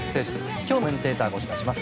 今日のコメンテーターご紹介します。